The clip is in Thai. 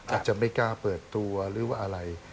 อาจจะไม่กล้าเปิดตัวหรือว่าอะไร